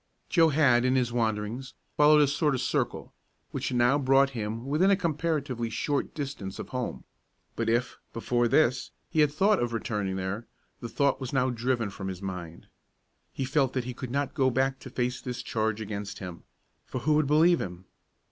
Joe had, in his wanderings, followed a sort of circle, which had now brought him within a comparatively short distance of home; but if, before this, he had thought of returning there, the thought was now driven from his mind. He felt that he could not go back to face this charge against him, for who would believe him?